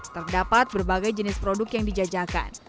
terdapat berbagai jenis produk yang dijajakan